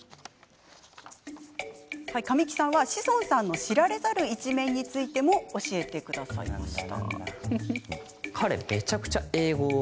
神木さんは志尊さんの知られざる一面についても教えてくれました。